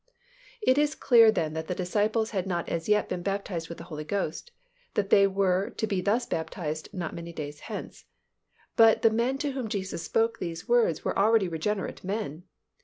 It is clear then that the disciples had not as yet been baptized with the Holy Ghost, that they were to be thus baptized not many days hence. But the men to whom Jesus spoke these words were already regenerate men.